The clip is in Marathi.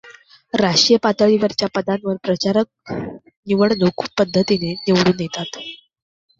राष्ट्रीय पातळीवरच्या पदांवर प्रचारक निवडणूक पद्धतीने निवडून येतात.